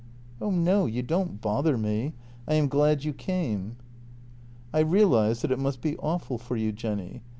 " Oh no, you don't bother me. I am glad you came." " I realize that it must be awful for you, Jenny."